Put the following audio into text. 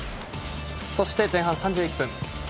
そして、前半３１分。